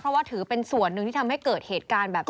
เพราะว่าถือเป็นส่วนหนึ่งที่ทำให้เกิดเหตุการณ์แบบนี้